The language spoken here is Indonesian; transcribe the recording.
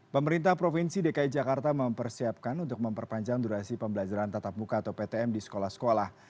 pemerintah provinsi dki jakarta mempersiapkan untuk memperpanjang durasi pembelajaran tatap muka atau ptm di sekolah sekolah